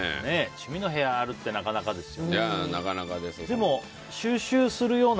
趣味の部屋があるってなかなかですよね。